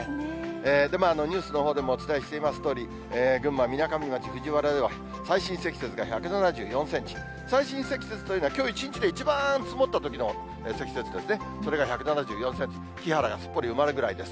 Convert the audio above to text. でもニュースのほうでもお伝えしていますとおり、群馬・みなかみ町藤原では最深積雪が１７４センチ、最深積雪というのはきょう一日で一番積もったときの積雪ですね、それが１７４センチ、木原がすっぽり埋まるぐらいです。